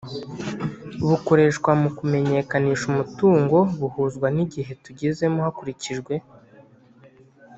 Bukoreshwa mu kumenyekanisha umutungo buhuzwa n igihe tugezemo hakurikijwe